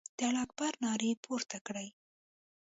د الله اکبر نارې پورته کړې.